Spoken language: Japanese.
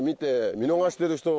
見逃してる人は。